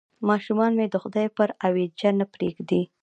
ماشومان مې د خدای پر اوېجه نه پرېږدي.